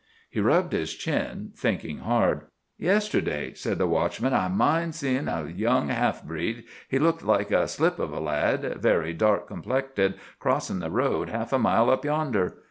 He rubbed his chin, thinking hard. "Yesterday," said the watchman, "I mind seem' a young half breed, he looked like a slip of a lad, very dark complected, crossin' the road half a mile up yonder.